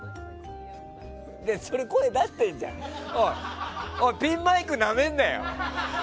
声出してるじゃんピンマイクなめんなよ！